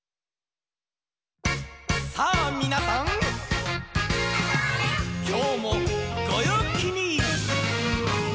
「さあみなさんきょうもごようきに！」